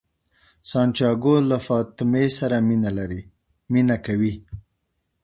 سانتیاګو له فاطمې سره مینه کوي.